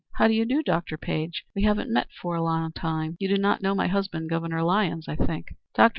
"How d'y do, Dr. Page? We haven't met for a long time. You do not know my husband, Governor Lyons, I think. Dr.